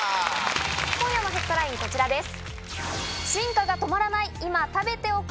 今夜のヘッドラインこちらです。